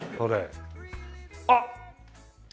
あっ！